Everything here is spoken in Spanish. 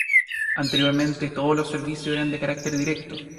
Anteriormente todos los servicios eran de carácter directo.